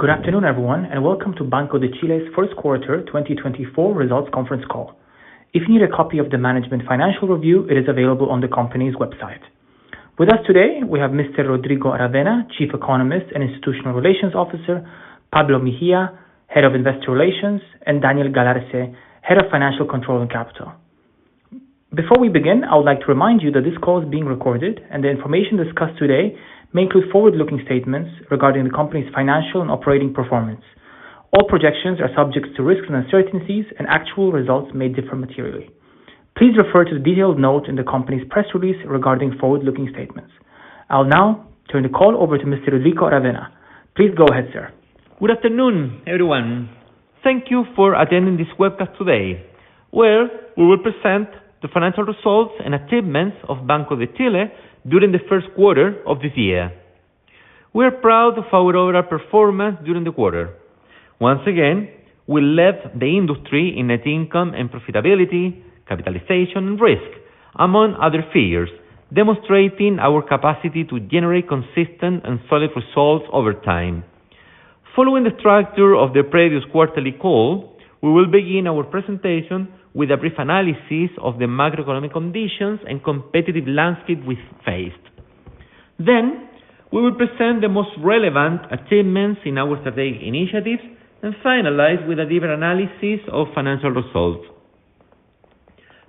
Good afternoon, everyone, and welcome to Banco de Chile's first quarter 2024 results conference call. If you need a copy of the management financial review, it is available on the company's website. With us today, we have Mr. Rodrigo Aravena, Chief Economist and Institutional Relations Officer, Pablo Mejía, Head of Investor Relations, and Daniel Galarce, Head of Financial Control and Capital. Before we begin, I would like to remind you that this call is being recorded and the information discussed today may include forward-looking statements regarding the company's financial and operating performance. All projections are subject to risks and uncertainties, and actual results may differ materially. Please refer to the detailed note in the company's press release regarding forward-looking statements. I'll now turn the call over to Mr. Rodrigo Aravena. Please go ahead, sir. Good afternoon, everyone. Thank you for attending this webcast today, where we will present the financial results and achievements of Banco de Chile during the first quarter of this year. We are proud of our overall performance during the quarter. Once again, we led the industry in net income and profitability, capitalization, and risk, among other figures, demonstrating our capacity to generate consistent and solid results over time. Following the structure of the previous quarterly call, we will begin our presentation with a brief analysis of the macroeconomic conditions and competitive landscape we faced. Then, we will present the most relevant achievements in our strategic initiatives and finalize with a deeper analysis of financial results.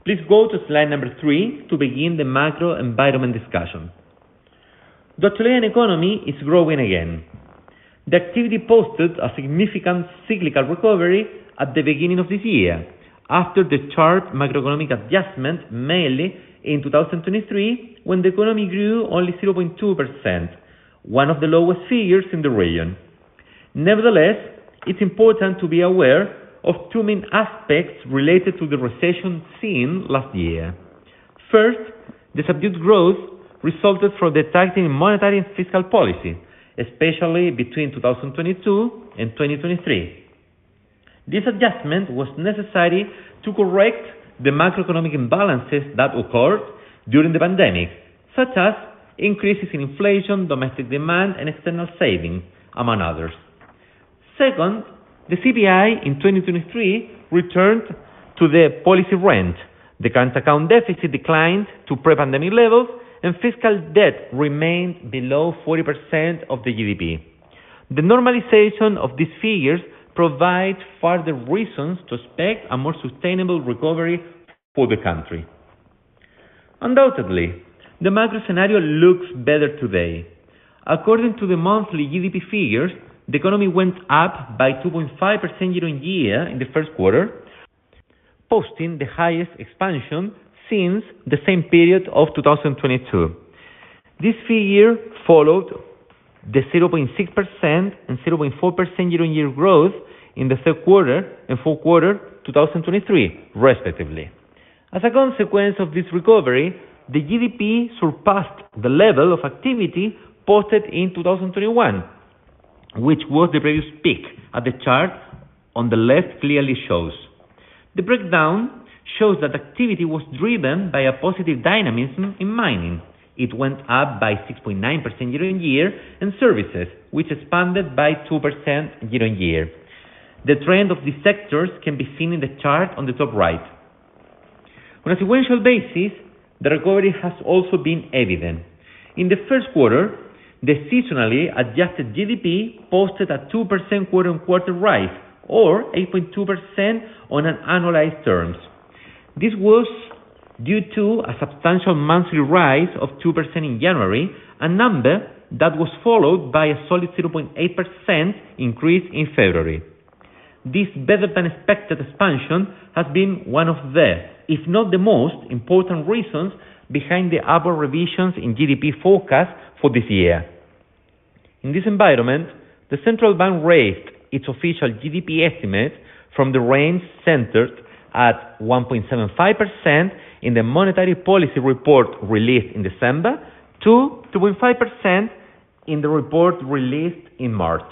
Please go to slide number three to begin the macro environment discussion. The Chilean economy is growing again. The activity posted a significant cyclical recovery at the beginning of this year, after the harsh macroeconomic adjustment, mainly in 2023, when the economy grew only 0.2%, one of the lowest figures in the region. Nevertheless, it's important to be aware of two main aspects related to the recession seen last year. First, the subdued growth resulted from the tightening monetary and fiscal policy, especially between 2022 and 2023. This adjustment was necessary to correct the macroeconomic imbalances that occurred during the pandemic, such as increases in inflation, domestic demand, and external saving, among others. Second, the CPI in 2023 returned to the policy range. The current account deficit declined to pre-pandemic levels, and fiscal debt remained below 40% of the GDP. The normalization of these figures provides further reasons to expect a more sustainable recovery for the country. Undoubtedly, the macro scenario looks better today. According to the monthly GDP figures, the economy went up by 2.5% year-on-year in the first quarter, posting the highest expansion since the same period of 2022. This figure followed the 0.6% and 0.4% year-on-year growth in the third quarter and fourth quarter 2023, respectively. As a consequence of this recovery, the GDP surpassed the level of activity posted in 2021, which was the previous peak, as the chart on the left clearly shows. The breakdown shows that activity was driven by a positive dynamism in mining. It went up by 6.9% year-on-year, and services, which expanded by 2% year-on-year. The trend of these sectors can be seen in the chart on the top right. On a sequential basis, the recovery has also been evident. In the first quarter, the seasonally adjusted GDP posted a 2% quarter-on-quarter rise or 8.2% on an annualized terms. This was due to a substantial monthly rise of 2% in January, a number that was followed by a solid 0.8% increase in February. This better-than-expected expansion has been one of the, if not the most, important reasons behind the upward revisions in GDP forecast for this year. In this environment, the central bank raised its official GDP estimate from the range centered at 1.75% in the monetary policy report released in December to 3.5% in the report released in March.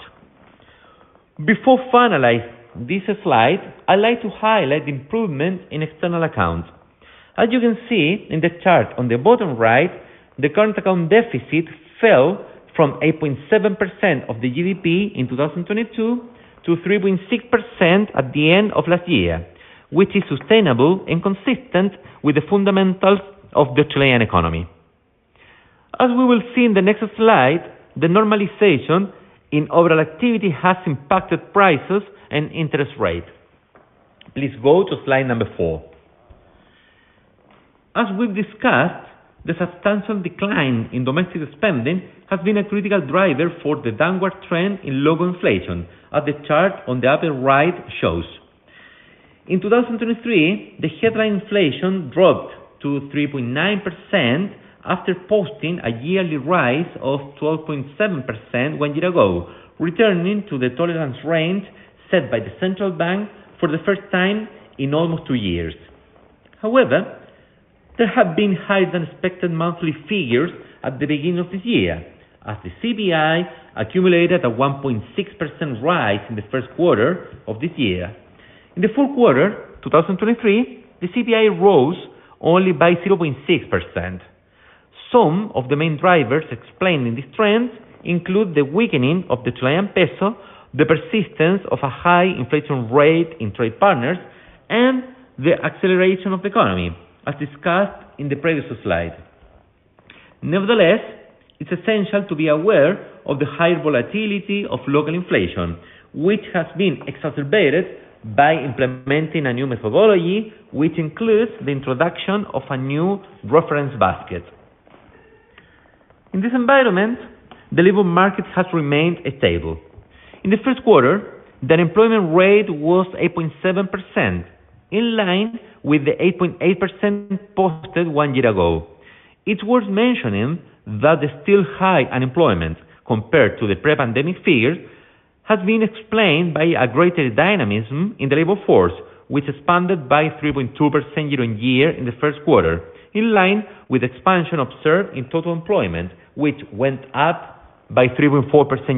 Before finalize this slide, I'd like to highlight the improvement in external accounts. As you can see in the chart on the bottom right, the current account deficit fell from 8.7% of the GDP in 2022 to 3.6% at the end of last year, which is sustainable and consistent with the fundamentals of the Chilean economy. As we will see in the next slide, the normalization in overall activity has impacted prices and interest rates. Please go to slide number four. As we've discussed, the substantial decline in domestic spending has been a critical driver for the downward trend in local inflation, as the chart on the upper right shows. In 2023, the headline inflation dropped to 3.9% after posting a yearly rise of 12.7% one year ago, returning to the tolerance range set by the Central Bank for the first time in almost two years. However, there have been higher-than-expected monthly figures at the beginning of this year, as the CPI accumulated a 1.6% rise in the first quarter of this year. In the fourth quarter 2023, the CPI rose only by 0.6%. Some of the main drivers explained in this trend include the weakening of the Chilean peso, the persistence of a high inflation rate in trade partners, and the acceleration of the economy, as discussed in the previous slide. Nevertheless, it's essential to be aware of the high volatility of local inflation, which has been exacerbated by implementing a new methodology, which includes the introduction of a new reference basket. In this environment, the labor market has remained stable. In the first quarter, the unemployment rate was 8.7%, in line with the 8.8% posted one year ago. It's worth mentioning that the still high unemployment, compared to the pre-pandemic figures, has been explained by a greater dynamism in the labor force, which expanded by 3.2% year-on-year in the first quarter, in line with expansion observed in total employment, which went up by 3.4%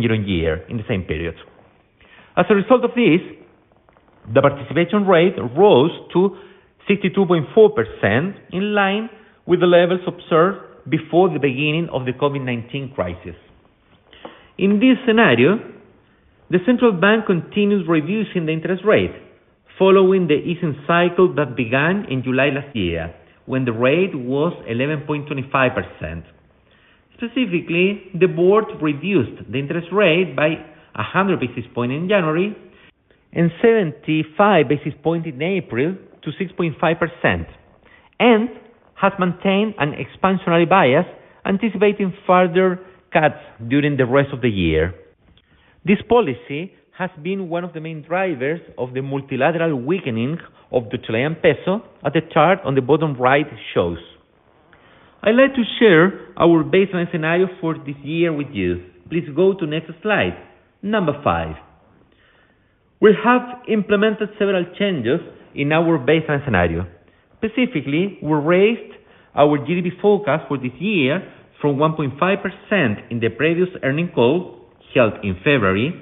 year-on-year in the same period. As a result of this, the participation rate rose to 62.4%, in line with the levels observed before the beginning of the COVID-19 crisis. In this scenario, the central bank continues reducing the interest rate, following the easing cycle that began in July last year, when the rate was 11.25%. Specifically, the board reduced the interest rate by 100 basis points in January and 75 basis points in April to 6.5%, and has maintained an expansionary bias, anticipating further cuts during the rest of the year. This policy has been one of the main drivers of the multilateral weakening of the Chilean peso, as the chart on the bottom right shows. I'd like to share our baseline scenario for this year with you. Please go to next slide, number five. We have implemented several changes in our baseline scenario. Specifically, we raised our GDP forecast for this year from 1.5% in the previous earnings call, held in February,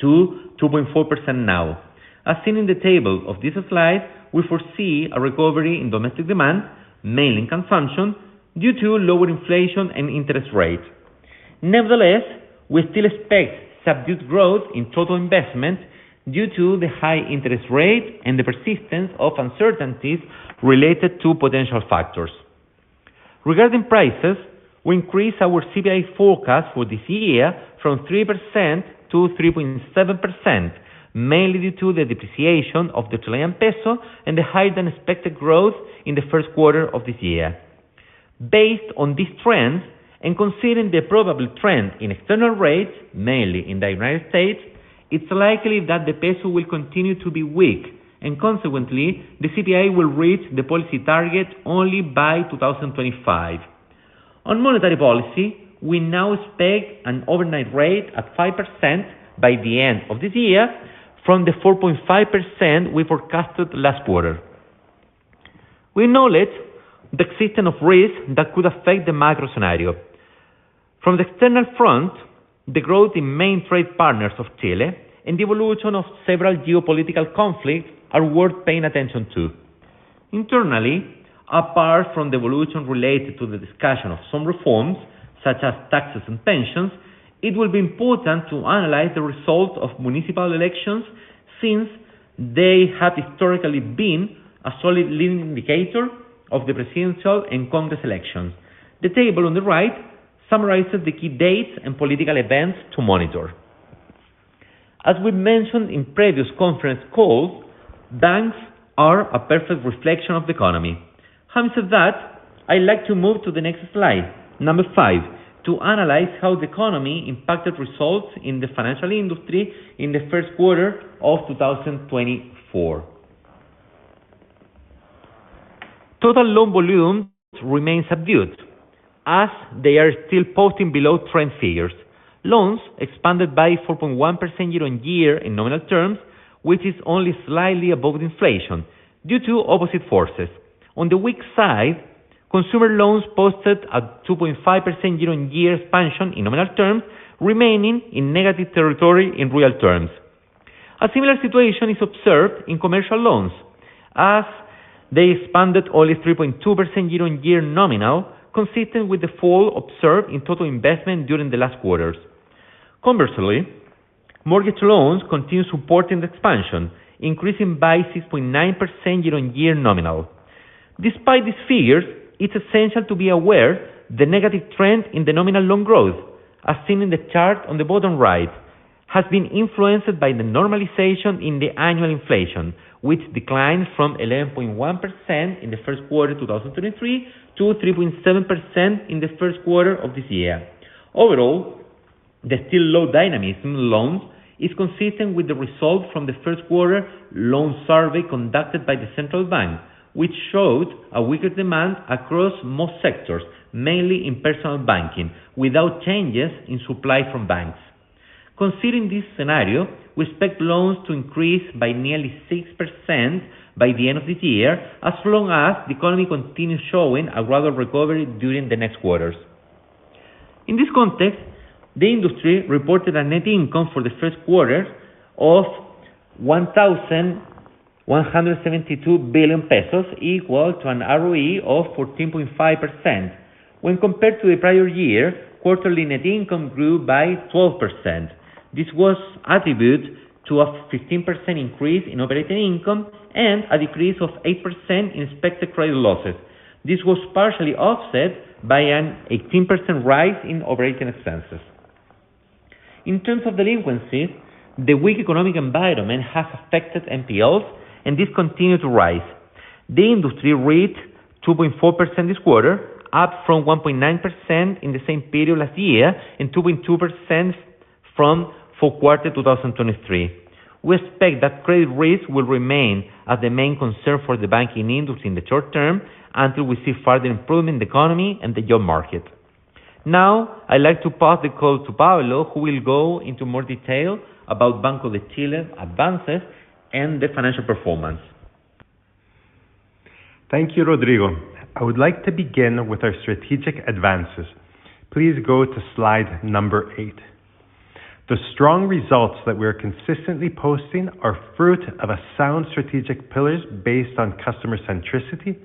to 2.4% now. As seen in the table of this slide, we foresee a recovery in domestic demand, mainly in consumption, due to lower inflation and interest rate. Nevertheless, we still expect subdued growth in total investment due to the high interest rate and the persistence of uncertainties related to potential factors. Regarding prices, we increased our CPI forecast for this year from 3%-3.7%, mainly due to the depreciation of the Chilean Peso and the higher-than-expected growth in the first quarter of this year. Based on this trend, and considering the probable trend in external rates, mainly in the United States, it's likely that the Peso will continue to be weak, and consequently, the CPI will reach the policy target only by 2025. On monetary policy, we now expect an overnight rate at 5% by the end of this year, from the 4.5% we forecasted last quarter. We acknowledge the existence of risks that could affect the macro scenario. From the external front, the growth in main trade partners of Chile and the evolution of several geopolitical conflicts are worth paying attention to. Internally, apart from the evolution related to the discussion of some reforms, such as taxes and pensions, it will be important to analyze the results of municipal elections, since they have historically been a solid leading indicator of the presidential and congress elections. The table on the right summarizes the key dates and political events to monitor. As we mentioned in previous conference calls, banks are a perfect reflection of the economy. Having said that, I'd like to move to the next slide, number five, to analyze how the economy impacted results in the financial industry in the first quarter of 2024. Total loan volume remains subdued, as they are still posting below trend figures. Loans expanded by 4.1% year-on-year in nominal terms, which is only slightly above inflation due to opposite forces. On the weak side, consumer loans posted a 2.5% year-on-year expansion in nominal terms, remaining in negative territory in real terms. A similar situation is observed in commercial loans, as they expanded only 3.2% year-on-year nominal, consistent with the fall observed in total investment during the last quarters. Conversely, mortgage loans continue supporting the expansion, increasing by 6.9% year-on-year nominal. Despite these figures, it's essential to be aware the negative trend in the nominal loan growth, as seen in the chart on the bottom right, has been influenced by the normalization in the annual inflation, which declined from 11.1% in the first quarter of 2023 to 3.7% in the first quarter of this year. Overall, the still low dynamism loans is consistent with the results from the first quarter loan survey conducted by the Central Bank, which showed a weaker demand across most sectors, mainly in personal banking, without changes in supply from banks. Considering this scenario, we expect loans to increase by nearly 6% by the end of this year, as long as the economy continues showing a gradual recovery during the next quarters. In this context, the industry reported a net income for the first quarter of 1,172 billion pesos, equal to an ROE of 14.5%. When compared to the prior year, quarterly net income grew by 12%. This was attributed to a 15% increase in operating income and a decrease of 8% in expected credit losses. This was partially offset by an 18% rise in operating expenses. In terms of delinquencies, the weak economic environment has affected NPLs, and this continued to rise. The industry reached 2.4% this quarter, up from 1.9% in the same period last year, and 2.2% from fourth quarter 2023. We expect that credit risk will remain as the main concern for the banking industry in the short term, until we see further improvement in the economy and the job market. Now, I'd like to pass the call to Pablo, who will go into more detail about Banco de Chile advances and the financial performance. Thank you, Rodrigo. I would like to begin with our strategic advances. Please go to slide number eight. The strong results that we are consistently posting are fruit of a sound strategic pillars based on customer centricity,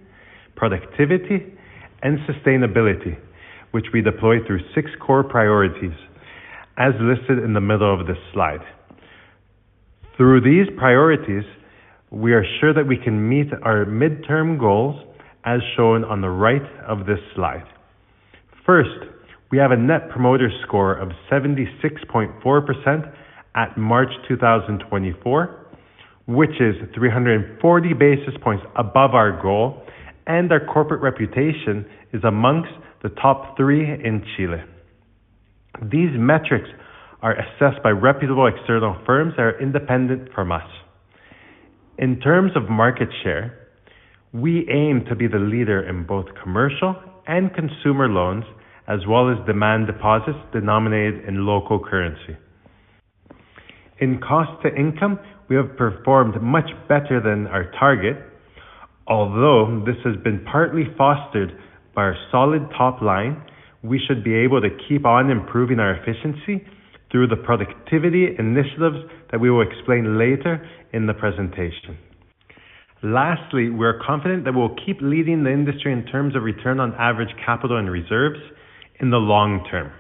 productivity, and sustainability, which we deploy through six core priorities, as listed in the middle of this slide. Through these priorities, we are sure that we can meet our midterm goals, as shown on the right of this slide. First, we have a Net Promoter Score of 76.4% at March 2024, which is 340 basis points above our goal, and our corporate reputation is among the top three in Chile. These metrics are assessed by reputable external firms that are independent from us. In terms of market share, we aim to be the leader in both commercial and consumer loans, as well as demand deposits denominated in local currency. In cost to income, we have performed much better than our target. Although this has been partly fostered by our solid top line, we should be able to keep on improving our efficiency through the productivity initiatives that we will explain later in the presentation. Lastly, we are confident that we'll keep leading the industry in terms of return on average capital and reserves in the long term.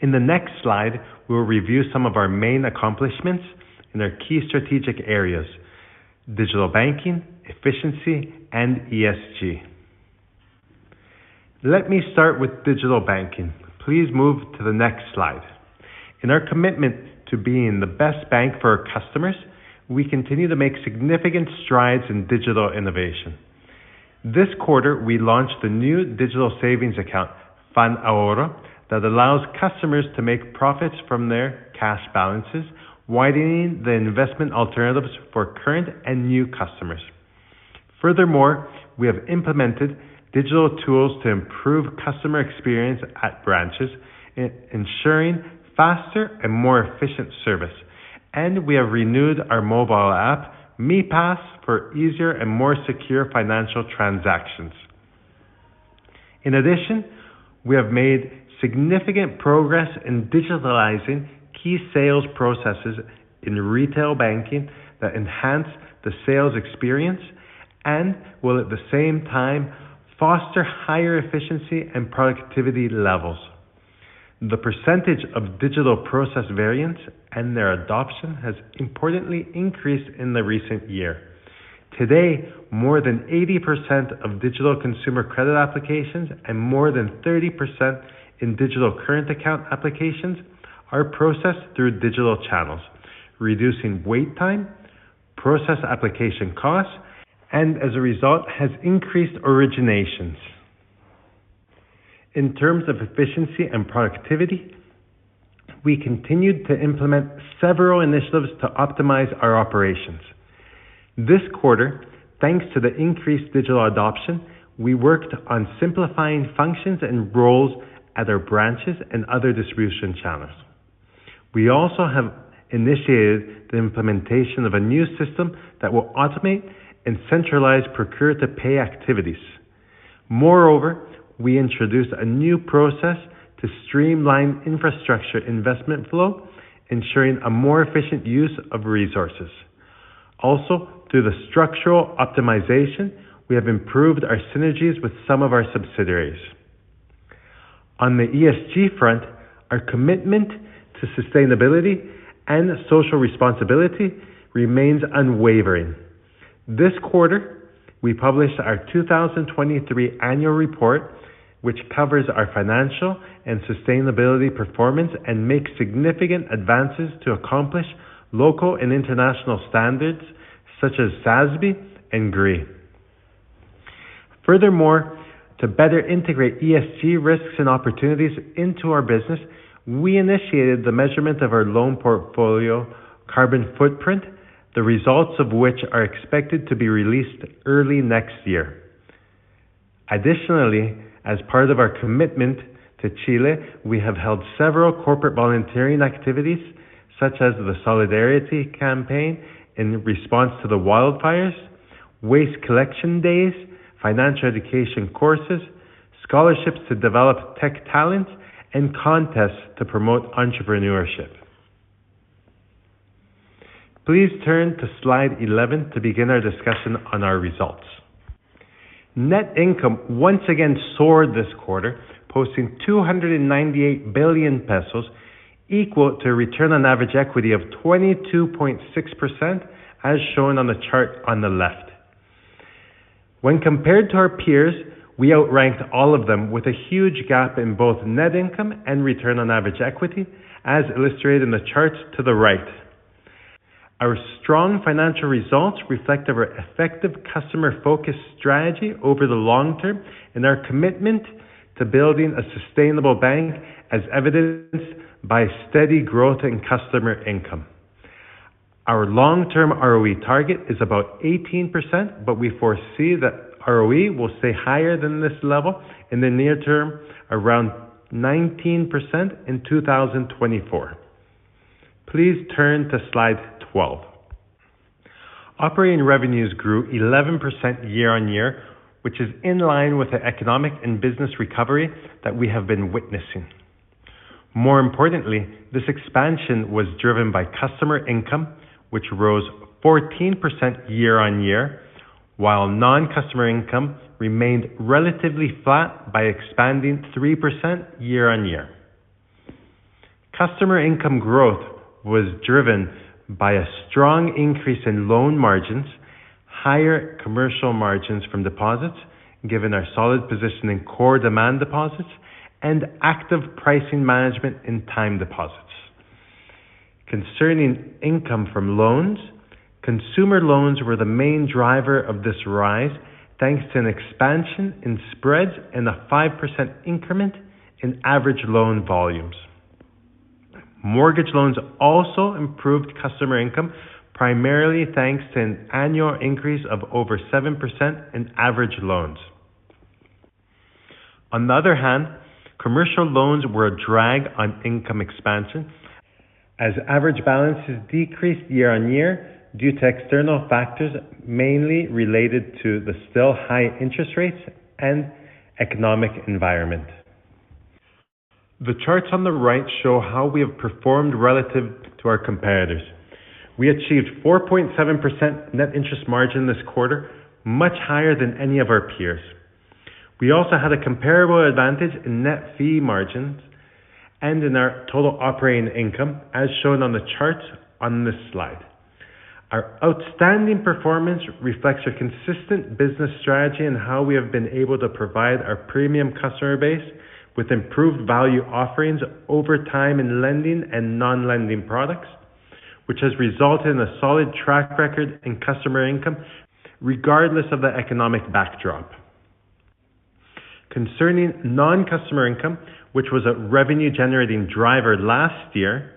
In the next slide, we will review some of our main accomplishments in our key strategic areas: digital banking, efficiency, and ESG. Let me start with Digital Banking. Please move to the next slide. In our commitment to being the best bank for our customers, we continue to make significant strides in digital innovation. This quarter, we launched the new digital savings account, FAN Ahorro, that allows customers to make profits from their cash balances, widening the investment alternatives for current and new customers. Furthermore, we have implemented digital tools to improve customer experience at branches, ensuring faster and more efficient service, and we have renewed our mobile app, Mi Pass, for easier and more secure financial transactions. In addition, we have made significant progress in digitalizing key sales processes in retail banking that enhance the sales experience and will, at the same time, foster higher efficiency and productivity levels. The percentage of digital process variance and their adoption has importantly increased in the recent year. Today, more than 80% of digital consumer credit applications and more than 30% in digital current account applications are processed through digital channels, reducing wait time, process application costs, and as a result, has increased originations. In terms of efficiency and productivity, we continued to implement several initiatives to optimize our operations. This quarter, thanks to the increased digital adoption, we worked on simplifying functions and roles at our branches and other distribution channels. We also have initiated the implementation of a new system that will automate and centralize procure-to-pay activities. Moreover, we introduced a new process to streamline infrastructure investment flow, ensuring a more efficient use of resources. Also, through the structural optimization, we have improved our synergies with some of our subsidiaries. On the ESG front, our commitment to sustainability and social responsibility remains unwavering. This quarter, we published our 2023 annual report, which covers our financial and sustainability performance and makes significant advances to accomplish local and international standards such as SASB and GRI. Furthermore, to better integrate ESG risks and opportunities into our business, we initiated the measurement of our loan portfolio carbon footprint, the results of which are expected to be released early next year. Additionally, as part of our commitment to Chile, we have held several corporate volunteering activities, such as the Solidarity Campaign in response to the wildfires, waste collection days, financial education courses, scholarships to develop tech talent, and contests to promote entrepreneurship. Please turn to slide 11 to begin our discussion on our results. Net income once again soared this quarter, posting 298 billion pesos, equal to a return on average equity of 22.6%, as shown on the chart on the left. When compared to our peers, we outranked all of them with a huge gap in both net income and return on average equity, as illustrated in the chart to the right. Our strong financial results reflect our effective customer-focused strategy over the long term and our commitment to building a sustainable bank, as evidenced by steady growth in customer income. Our long-term ROE target is about 18%, but we foresee that ROE will stay higher than this level in the near term, around 19% in 2024. Please turn to slide 12. Operating revenues grew 11% year-on-year, which is in line with the economic and business recovery that we have been witnessing. More importantly, this expansion was driven by customer income, which rose 14% year-on-year, while non-customer income remained relatively flat by expanding 3% year-on-year. Customer income growth was driven by a strong increase in loan margins, higher commercial margins from deposits, given our solid position in core demand deposits and active pricing management in time deposits. Concerning income from loans, consumer loans were the main driver of this rise, thanks to an expansion in spreads and a 5% increment in average loan volumes. Mortgage loans also improved customer income, primarily thanks to an annual increase of over 7% in average loans. On the other hand, commercial loans were a drag on income expansion as average balances decreased year-on-year due to external factors, mainly related to the still high interest rates and economic environment. The charts on the right show how we have performed relative to our competitors. We achieved 4.7% net interest margin this quarter, much higher than any of our peers. We also had a comparable advantage in net fee margins and in our total operating income, as shown on the chart on this slide. Our outstanding performance reflects a consistent business strategy and how we have been able to provide our premium customer base with improved value offerings over time in lending and non-lending products, which has resulted in a solid track record in customer income, regardless of the economic backdrop. Concerning non-customer income, which was a revenue-generating driver last year,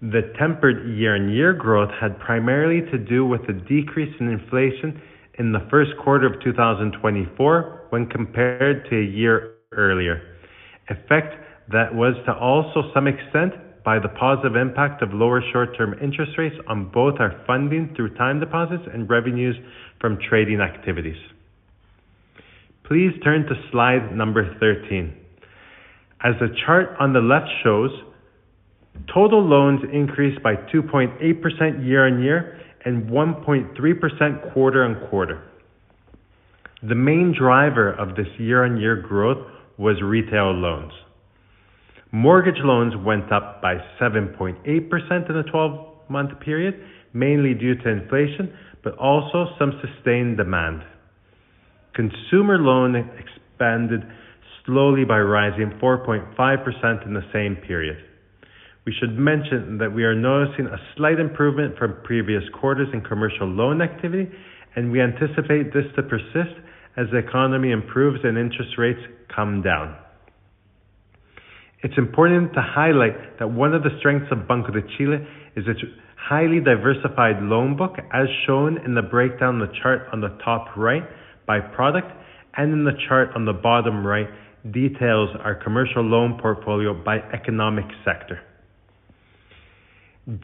the tempered year-on-year growth had primarily to do with the decrease in inflation in the first quarter of 2024 when compared to a year earlier. This effect was offset to some extent by the positive impact of lower short-term interest rates on both our funding through time deposits and revenues from trading activities. Please turn to slide number 13. As the chart on the left shows, total loans increased by 2.8% year-on-year and 1.3% quarter-on-quarter. The main driver of this year-on-year growth was retail loans. Mortgage loans went up by 7.8% in the 12-month period, mainly due to inflation, but also some sustained demand. Consumer loan expanded slowly by rising 4.5% in the same period. We should mention that we are noticing a slight improvement from previous quarters in commercial loan activity, and we anticipate this to persist as the economy improves and interest rates come down. It's important to highlight that one of the strengths of Banco de Chile is its highly diversified loan book, as shown in the breakdown in the chart on the top right by product and in the chart on the bottom right, which details our commercial loan portfolio by economic sector.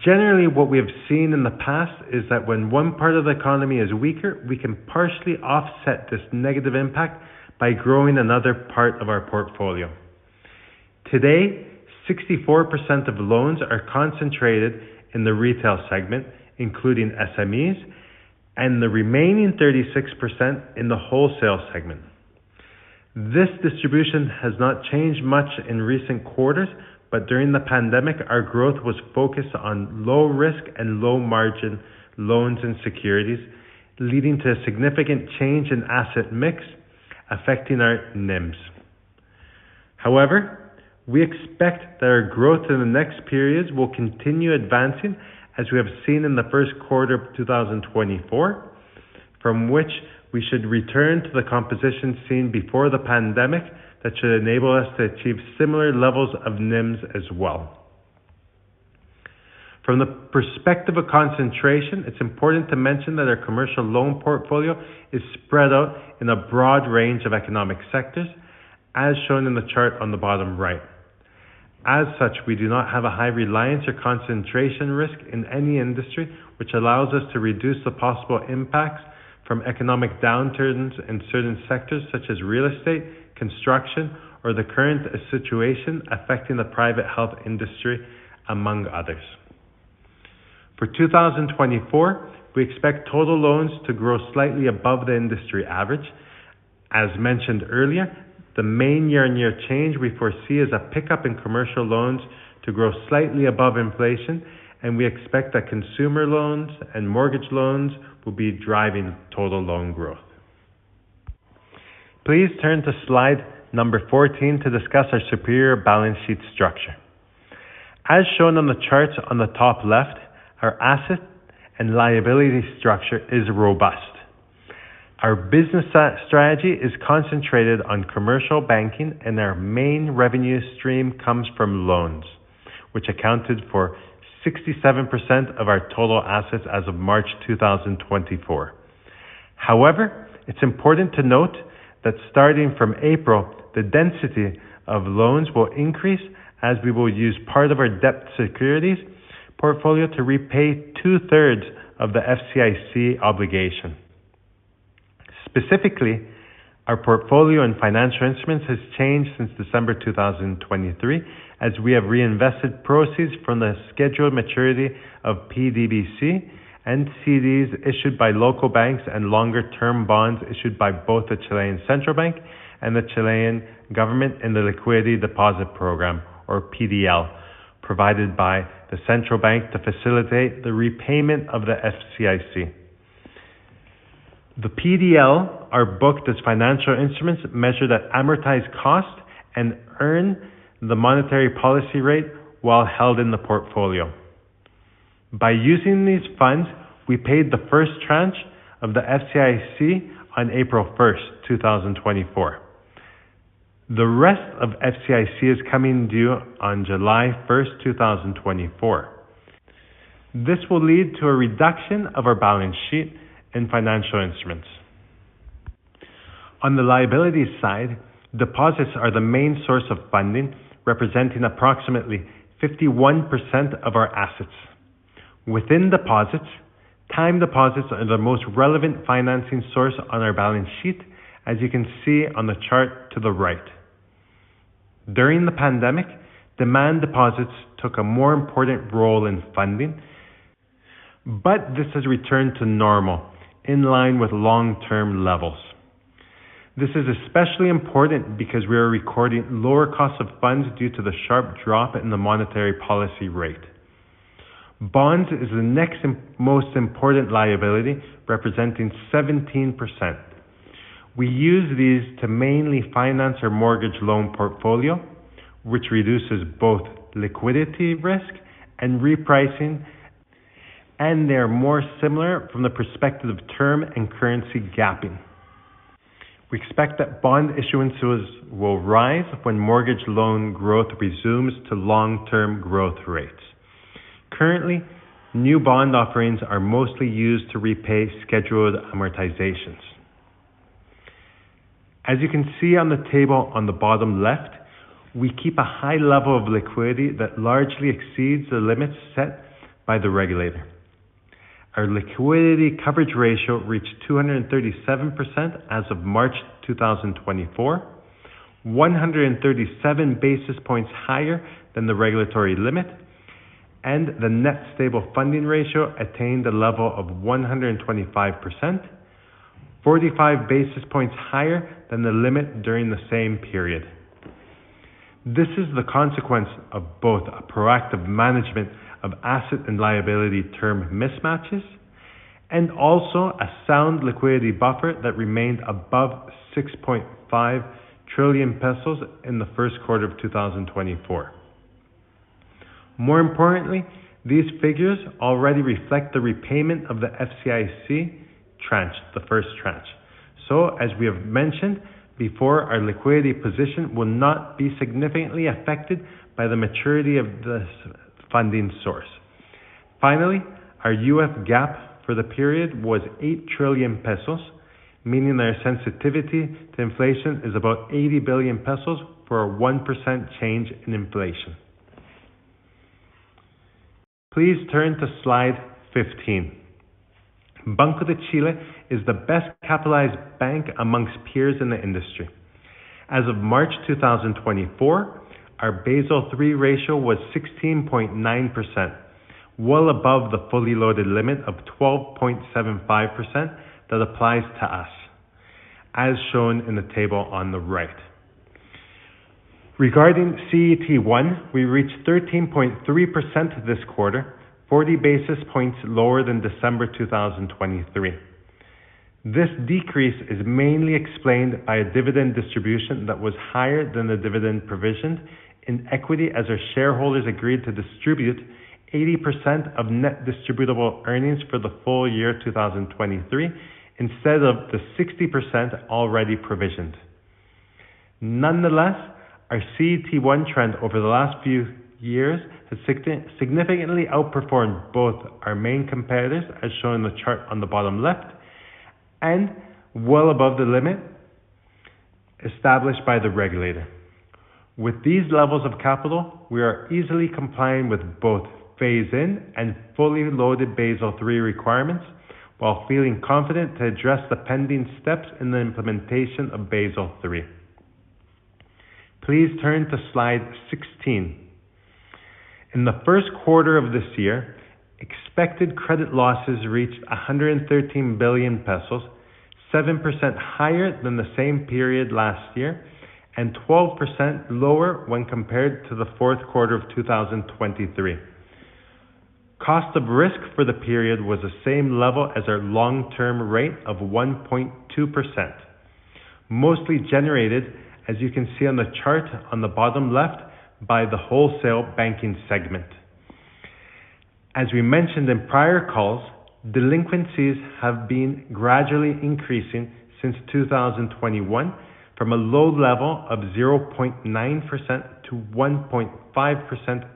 Generally, what we have seen in the past is that when one part of the economy is weaker, we can partially offset this negative impact by growing another part of our portfolio. Today, 64% of loans are concentrated in the retail segment, including SMEs, and the remaining 36% in the wholesale segment. This distribution has not changed much in recent quarters, but during the pandemic, our growth was focused on low risk and low margin loans and securities, leading to a significant change in asset mix affecting our NIMs. However, we expect that our growth in the next periods will continue advancing, as we have seen in the first quarter of 2024, from which we should return to the composition seen before the pandemic. That should enable us to achieve similar levels of NIMs as well. From the perspective of concentration, it's important to mention that our commercial loan portfolio is spread out in a broad range of economic sectors, as shown in the chart on the bottom right. As such, we do not have a high reliance or concentration risk in any industry, which allows us to reduce the possible impacts from economic downturns in certain sectors such as real estate, construction, or the current situation affecting the private health industry, among others. For 2024, we expect total loans to grow slightly above the industry average. As mentioned earlier, the main year-on-year change we foresee is a pickup in commercial loans to grow slightly above inflation, and we expect that consumer loans and mortgage loans will be driving total loan growth. Please turn to slide number 14 to discuss our superior balance sheet structure. As shown on the chart on the top left, our asset and liability structure is robust. Our business strategy is concentrated on commercial banking, and our main revenue stream comes from loans, which accounted for 67% of our total assets as of March 2024. However, it's important to note that starting from April, the density of loans will increase as we will use part of our debt securities portfolio to repay two-thirds of the FCIC obligation. Specifically, our portfolio and financial instruments has changed since December 2023, as we have reinvested proceeds from the scheduled maturity of PDBC and CDs issued by local banks and longer-term bonds issued by both the Central Bank of Chile and the Chilean government in the liquidity deposit program, or PDL, provided by the Central Bank to facilitate the repayment of the FCIC. The PDL are booked as financial instruments, measured at amortized cost, and earn the monetary policy rate while held in the portfolio. By using these funds, we paid the first tranche of the FCIC on 01/04/2024. The rest of FCIC is coming due on 01/07/ 2024. This will lead to a reduction of our balance sheet and financial instruments. On the liability side, deposits are the main source of funding, representing approximately 51% of our assets. Within deposits, time deposits are the most relevant financing source on our balance sheet, as you can see on the chart to the right. During the pandemic, demand deposits took a more important role in funding, but this has returned to normal, in line with long-term levels. This is especially important because we are recording lower costs of funds due to the sharp drop in the monetary policy rate. Bonds is the next most important liability, representing 17%. We use these to mainly finance our mortgage loan portfolio, which reduces both liquidity risk and repricing, and they are more similar from the perspective of term and currency gapping. We expect that bond issuances will rise when mortgage loan growth resumes to long-term growth rates. Currently, new bond offerings are mostly used to repay scheduled amortizations. As you can see on the table on the bottom left, we keep a high level of liquidity that largely exceeds the limits set by the regulator. Our liquidity coverage ratio reached 237% as of March 2024, 137 basis points higher than the regulatory limit, and the net stable funding ratio attained a level of 125%, 45 basis points higher than the limit during the same period. This is the consequence of both a proactive management of asset and liability term mismatches and also a sound liquidity buffer that remained above 6.5 trillion pesos in the first quarter of 2024. More importantly, these figures already reflect the repayment of the FCIC tranche, the first tranche. So as we have mentioned before, our liquidity position will not be significantly affected by the maturity of this funding source. Finally, our UF gap for the period was 8 trillion pesos, meaning our sensitivity to inflation is about 80 billion pesos for a 1% change in inflation. Please turn to slide 15. Banco de Chile is the best capitalized bank amongst peers in the industry. As of March 2024, our Basel III ratio was 16.9%, well above the fully loaded limit of 12.75% that applies to us, as shown in the table on the right. Regarding CET1, we reached 13.3% this quarter, 40 basis points lower than December 2023. This decrease is mainly explained by a dividend distribution that was higher than the dividend provision in equity, as our shareholders agreed to distribute 80% of net distributable earnings for the full year 2023 instead of the 60% already provisioned. Nonetheless, our CET1 trend over the last few years has significantly outperformed both our main competitors, as shown in the chart on the bottom left and well above the limit established by the regulator. With these levels of capital, we are easily complying with both phase-in and fully loaded Basel III requirements, while feeling confident to address the pending steps in the implementation of Basel III. Please turn to slide 16. In the first quarter of this year, expected credit losses reached 113 billion pesos, 7% higher than the same period last year, and 12% lower when compared to the fourth quarter of 2023. Cost of risk for the period was the same level as our long-term rate of 1.2%, mostly generated, as you can see on the chart on the bottom left, by the wholesale banking segment. As we mentioned in prior calls, delinquencies have been gradually increasing since 2021 from a low level of 0.9% to 1.5%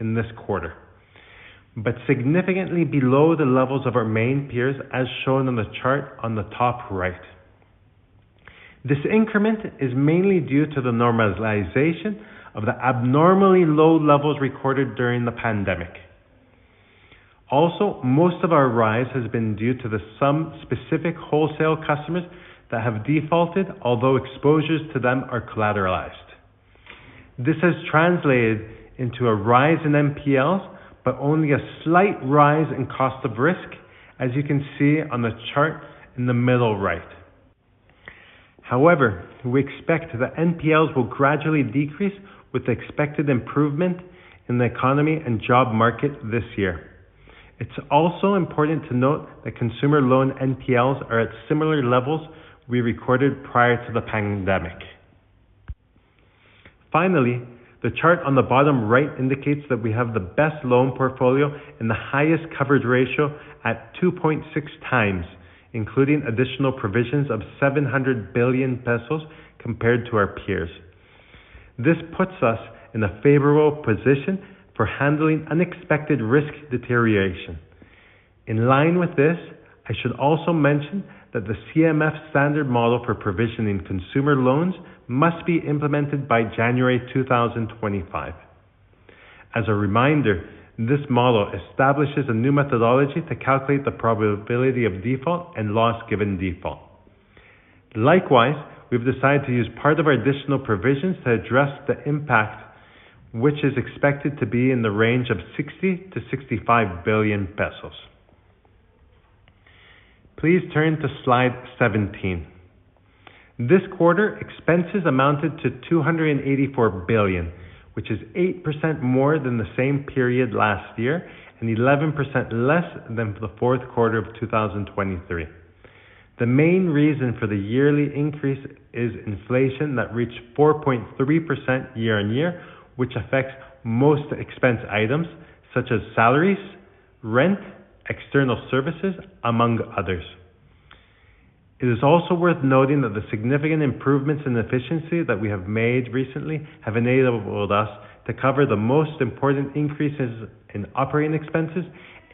in this quarter, but significantly below the levels of our main peers, as shown on the chart on the top right. This increment is mainly due to the normalization of the abnormally low levels recorded during the pandemic. Also, most of our rise has been due to some specific wholesale customers that have defaulted, although exposures to them are collateralized. This has translated into a rise in NPLs, but only a slight rise in cost of risk, as you can see on the chart in the middle right. However, we expect the NPLs will gradually decrease with the expected improvement in the economy and job market this year. It's also important to note that consumer loan NPLs are at similar levels we recorded prior to the pandemic. Finally, the chart on the bottom right indicates that we have the best loan portfolio and the highest coverage ratio at two point six times, including additional provisions of 700 billion pesos compared to our peers. This puts us in a favorable position for handling unexpected risk deterioration. In line with this, I should also mention that the CMF standard model for provisioning consumer loans must be implemented by January 2025. As a reminder, this model establishes a new methodology to calculate the probability of default and loss given default. Likewise, we've decided to use part of our additional provisions to address the impact, which is expected to be in the range of 60-65 billion pesos. Please turn to slide 17. This quarter, expenses amounted to 284 billion, which is 8% more than the same period last year and 11% less than for the fourth quarter of 2023. The main reason for the yearly increase is inflation that reached 4.3% year-on-year, which affects most expense items such as salaries, rent, external services, among others. It is also worth noting that the significant improvements in efficiency that we have made recently have enabled us to cover the most important increases in operating expenses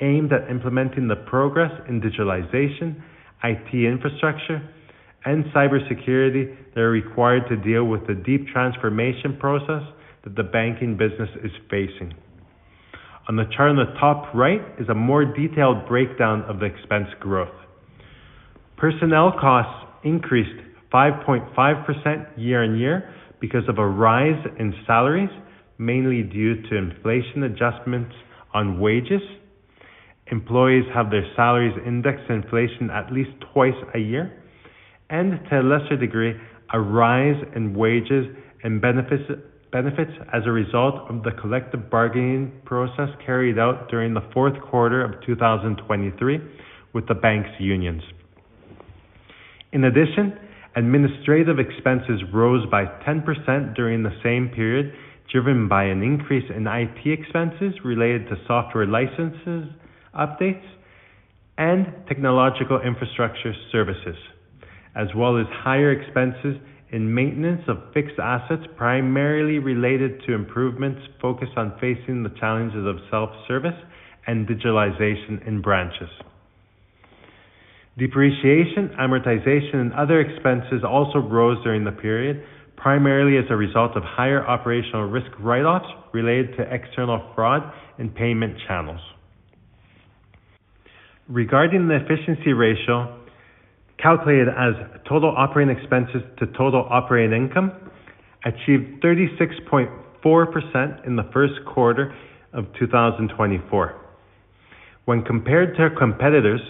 aimed at implementing the progress in digitalization, IT infrastructure, and cybersecurity that are required to deal with the deep transformation process that the banking business is facing. On the chart on the top right is a more detailed breakdown of the expense growth. Personnel costs increased 5.5% year-on-year because of a rise in salaries, mainly due to inflation adjustments on wages. Employees have their salaries indexed to inflation at least twice a year and, to a lesser degree, a rise in wages and benefits as a result of the collective bargaining process carried out during the fourth quarter of 2023 with the bank's unions. In addition, administrative expenses rose by 10% during the same period, driven by an increase in IT expenses related to software licenses, updates, and technological infrastructure services, as well as higher expenses in maintenance of fixed assets, primarily related to improvements focused on facing the challenges of self-service and digitalization in branches. Depreciation, amortization, and other expenses also rose during the period, primarily as a result of higher operational risk write-offs related to external fraud and payment channels. Regarding the efficiency ratio, calculated as total operating expenses to total operating income, achieved 36.4% in the first quarter of 2024. When compared to our competitors,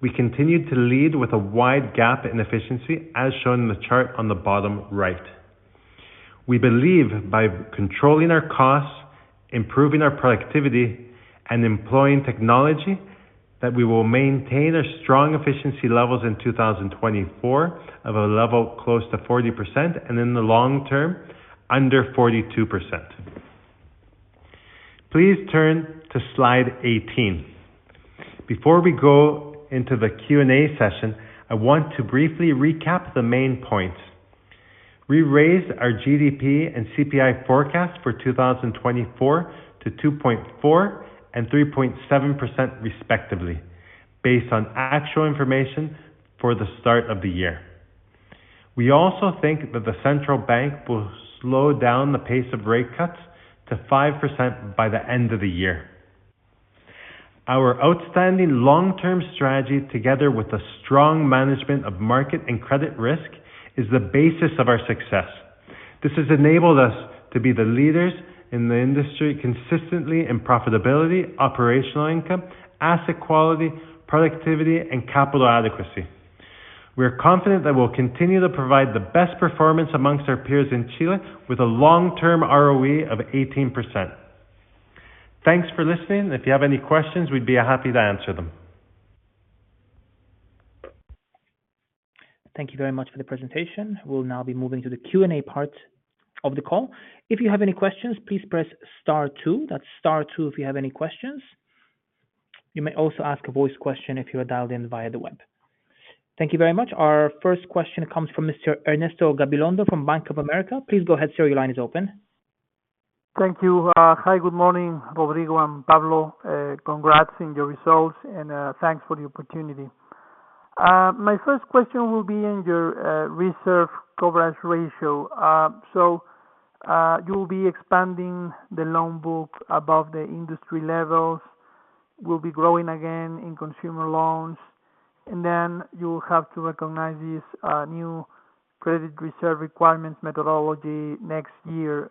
we continued to lead with a wide gap in efficiency, as shown in the chart on the bottom right. We believe by controlling our costs, improving our productivity, and employing technology, that we will maintain our strong efficiency levels in 2024 of a level close to 40%, and in the long term, under 42%. Please turn to slide 18. Before we go into the Q&A session, I want to briefly recap the main points. We raised our GDP and CPI forecast for 2024 to 2.4% and 3.7% respectively, based on actual information for the start of the year. We also think that the central bank will slow down the pace of rate cuts to 5% by the end of the year. Our outstanding long-term strategy, together with a strong management of market and credit risk, is the basis of our success. This has enabled us to be the leaders in the industry consistently in profitability, operational income, asset quality, productivity, and capital adequacy. We are confident that we'll continue to provide the best performance amongst our peers in Chile with a long-term ROE of 18%. Thanks for listening. If you have any questions, we'd be happy to answer them. Thank you very much for the presentation. We'll now be moving to the Q&A part of the call. If you have any questions, please press star two. That's star two if you have any questions. You may also ask a voice question if you are dialed in via the web. Thank you very much. Our first question comes from Mr. Ernesto Gabilondo from Bank of America. Please go ahead, sir. Your line is open. Thank you. Hi, good morning, Rodrigo and Pablo. Congrats on your results, and thanks for the opportunity. My first question will be on your reserve coverage ratio. So you'll be expanding the loan book above the industry levels, will be growing again in consumer loans, and then you will have to recognize this new credit reserve requirements methodology next year.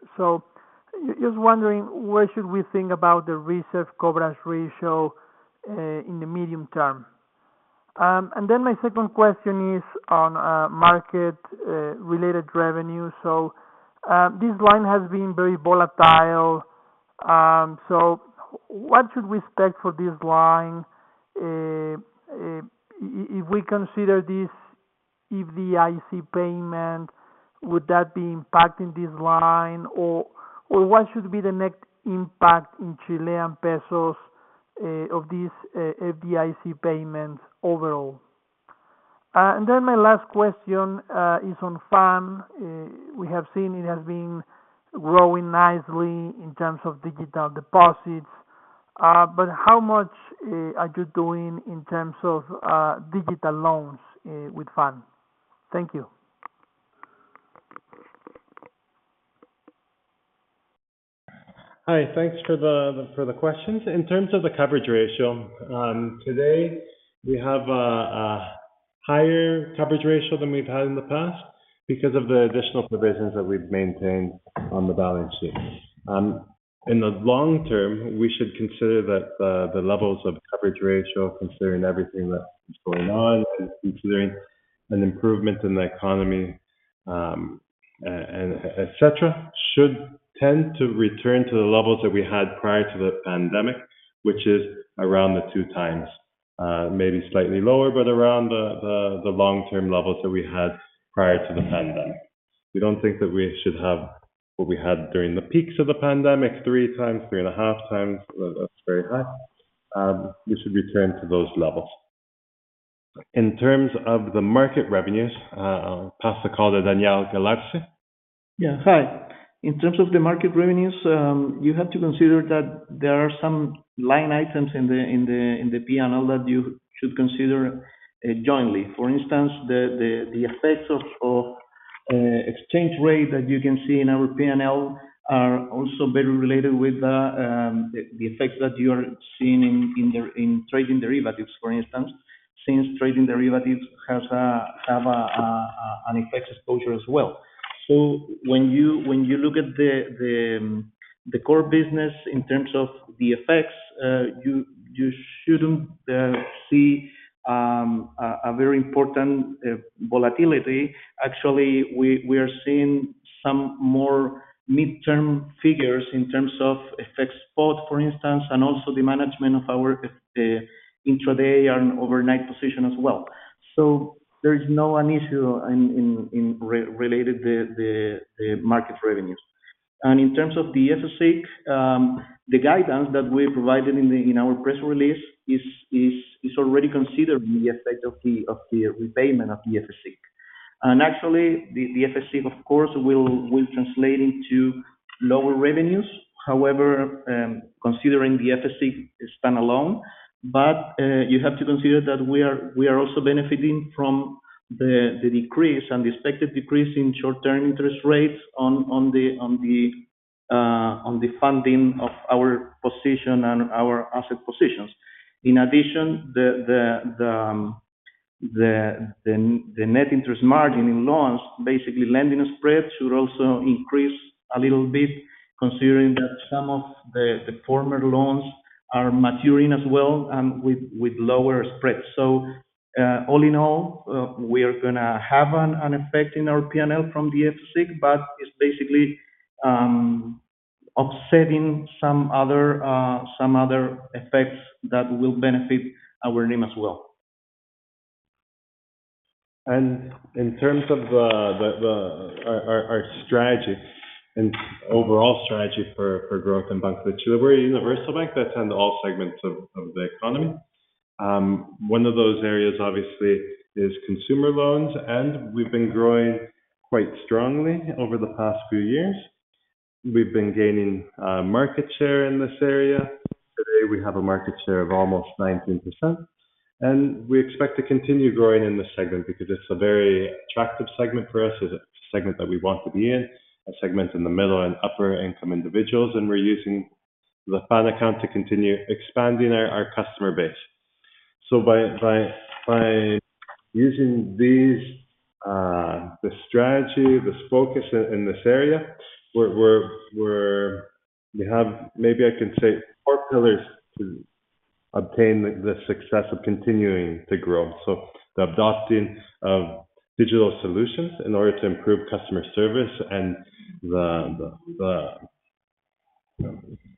Just wondering, where should we think about the reserve coverage ratio in the medium term? And then my second question is on market related revenue. So this line has been very volatile. So what should we expect for this line? If we consider this FCIC payment, would that be impacting this line, or what should be the next impact in Chilean pesos of these FCIC payments overall? And then my last question is on FAN. We have seen it has been growing nicely in terms of digital deposits, but how much are you doing in terms of digital loans with FAN? Thank you. Hi, thanks for the questions. In terms of the coverage ratio, today we have a higher coverage ratio than we've had in the past because of the additional provisions that we've maintained on the balance sheet. In the long term, we should consider that the levels of coverage ratio, considering everything that's going on and considering an improvement in the economy, and et cetera, should tend to return to the levels that we had prior to the pandemic, which is around two times, maybe slightly lower, but around the long-term levels that we had prior to the pandemic. We don't think that we should have what we had during the peaks of the pandemic, three times, three and a half times. That's very high. We should return to those levels. In terms of the market revenues, I'll pass the call to Daniel Galarce. Yeah, hi. In terms of the market revenues, you have to consider that there are some line items in the PNL that you should consider jointly. For instance, the effects of exchange rate, as you can see in our PNL, are also very related with the effects that you are seeing in trading derivatives, for instance, since trading derivatives have an effective exposure as well. So when you look at the core business in terms of the effects, you shouldn't see a very important volatility. Actually, we are seeing some more midterm figures in terms of effects spot, for instance, and also the management of our intraday and overnight position as well. So there is no an issue in related the market revenues. And in terms of the FCIC, the guidance that we provided in our press release is already considering the effect of the repayment of the FCIC. And actually, the FCIC, of course, will translate into lower revenues. However, considering the FCIC is stand-alone, but you have to consider that we are also benefiting from the decrease and the expected decrease in short-term interest rates on the funding of our position and our asset positions. In addition, the net interest margin in loans, basically lending spreads, should also increase a little bit, considering that some of the former loans are maturing as well, with lower spreads. So, all in all, we are gonna have an effect in our PNL from the FCIC, but it's basically offsetting some other effects that will benefit our NIM as well. And in terms of our strategy and overall strategy for growth in Banco de Chile, we're a universal bank that's in all segments of the economy. One of those areas obviously is consumer loans, and we've been growing quite strongly over the past few years. We've been gaining market share in this area. Today, we have a market share of almost 19%, and we expect to continue growing in this segment because it's a very attractive segment for us. It's a segment that we want to be in, a segment in the middle and upper income individuals, and we're using the FAN account to continue expanding our customer base. So by using these, the strategy, this focus in this area, we have maybe I can say four pillars to obtain the success of continuing to grow. So the adoption of digital solutions in order to improve customer service and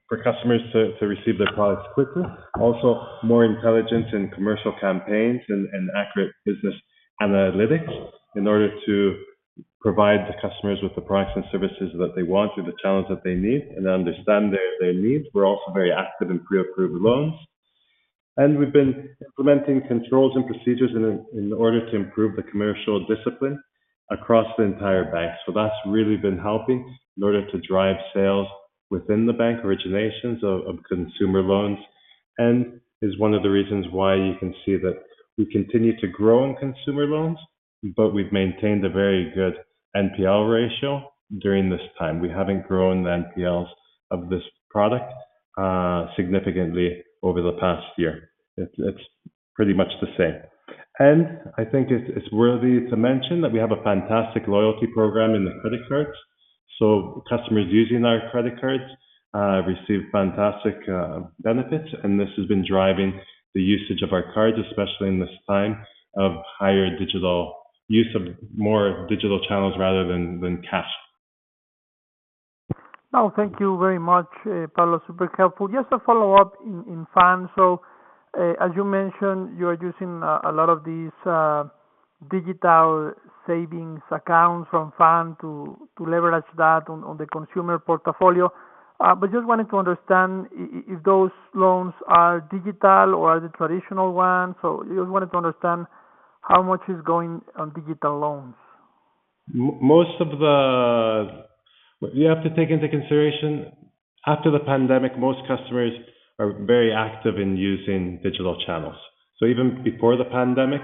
for customers to receive their products quicker. Also more intelligence in commercial campaigns and accurate business analytics in order to provide the customers with the products and services that they want, or the talents that they need, and understand their needs. We're also very active in pre-approved loans, and we've been implementing controls and procedures in order to improve the commercial discipline across the entire bank. So that's really been helping in order to drive sales within the bank, originations of consumer loans, and is one of the reasons why you can see that we continue to grow in consumer loans, but we've maintained a very good NPL ratio during this time. We haven't grown the NPLs of this product significantly over the past year. It's pretty much the same. And I think it's worthy to mention that we have a fantastic loyalty program in the credit cards, so customers using our credit cards receive fantastic benefits, and this has been driving the usage of our cards, especially in this time of higher digital use of more digital channels rather than cash. Oh, thank you very much, Pablo. Super helpful. Just a follow-up in FAN. So, as you mentioned, you are using a lot of these digital savings accounts from FAN to leverage that on the consumer portfolio. But just wanted to understand if those loans are digital or are the traditional ones. So just wanted to understand how much is going on digital loans? Most of the... You have to take into consideration, after the pandemic, most customers are very active in using digital channels. So even before the pandemic,